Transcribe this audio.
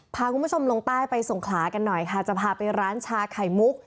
พาคุณผู้ชมลงใต้ไปสงขลากันหน่อยค่ะจะพาไปร้านชาไข่มุก